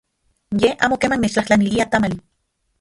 Ye amo keman nechtlajtlanilia tamali.